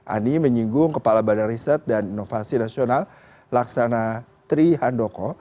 ani menyinggung kepala badan riset dan inovasi nasional laksana tri handoko